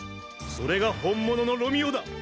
それが本物のロミオだ！